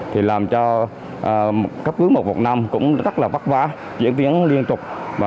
thì làm cho cấp cứu một trăm một mươi năm cũng rất là vắc vã chuyển tiến liên tục